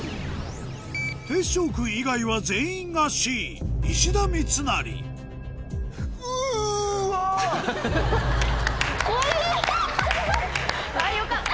てっしょう君以外は全員がＣ石田三成あよかった！